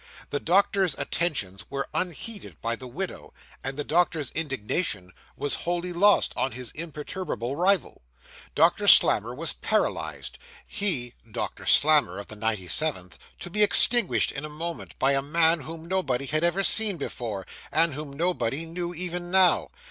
The doctor's attentions were unheeded by the widow; and the doctor's indignation was wholly lost on his imperturbable rival. Doctor Slammer was paralysed. He, Doctor Slammer, of the 97th, to be extinguished in a moment, by a man whom nobody had ever seen before, and whom nobody knew even now!